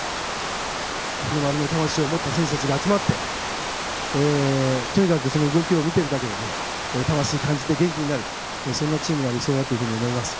日の丸の魂を持った選手たちが集まって、とにかくその動きを見ているだけでね、魂感じて元気になる、そんなチームが理想だというふうに思います。